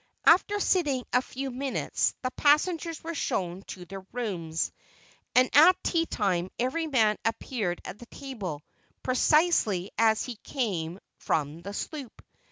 After sitting a few minutes the passengers were shown to their rooms, and at tea time every man appeared at the table precisely as he came from the sloop.